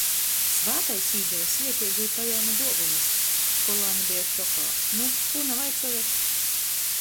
Svātais īdeve svieteibu i pajēme duovonys. Školāni beja šokā. Nu, kū navaicojat?